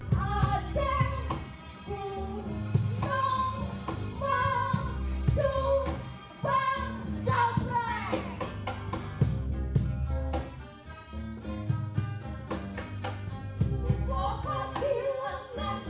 aceh kuno bang jubah gabrek